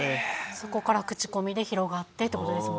そこからクチコミで広がってって事ですもんね。